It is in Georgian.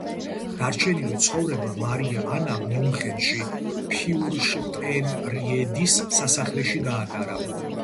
დარჩენილი ცხოვრება მარია ანამ მიუნხენში, ფიურშტენრიედის სასახლეში გაატარა.